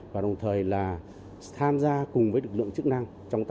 và đồng thời là tham gia cùng với lực lượng chức năng